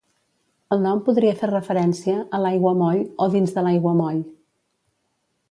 El nom podria fer referència a l"aiguamoll o dins de l"aiguamoll.